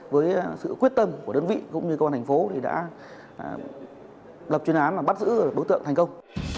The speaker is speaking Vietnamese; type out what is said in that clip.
với sự quyết tâm của đơn vị cũng như cơ quan thành phố thì đã lập chuyên án bắt giữ đối tượng thành công